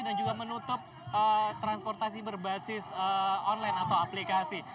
dan juga menutup transportasi berbasis online atau aplikasi